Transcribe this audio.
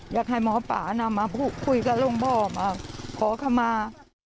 อยากให้หมอป่านำมาพูดคุยกับหลวงพ่อมาขอขมา